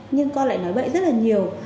nhưng con lại nói bậy rất là nhiều